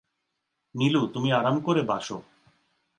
নীলু, তুমি আরাম করে বাস।